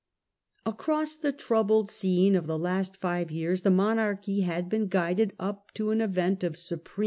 Across the troubled scene of the last five years the monarchy had been guided up to an event of supreme Majority of Louis XIV.